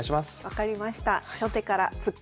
分かりました。